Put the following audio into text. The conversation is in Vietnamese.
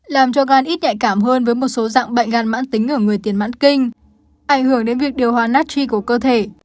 làm cho gan ít nhạy cảm hơn với một số dạng bệnh gan mãn tính ở người tiền mãn kinh ảnh hưởng đến việc điều hòa natri của cơ thể